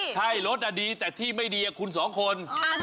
ใช่รถดีแต่ที่ไม่ดีคุณสองคน